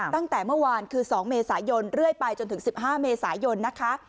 ตั้งแต่เมื่อวานคือ๒เมษายนเรื่อยไปจนถึง๑๕เมษายนนะคะ